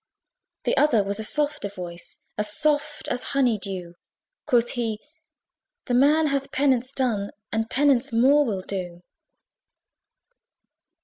The other was a softer voice, As soft as honey dew: Quoth he, "The man hath penance done, And penance more will do."